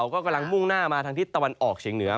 ก็กำลังมุ่งหน้ามาทางทิศตะวันออกเฉียงเหนือ